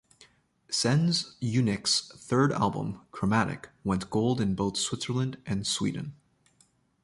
Sens Unik's third album, "Chromatic", went gold in both Switzerland and Sweden.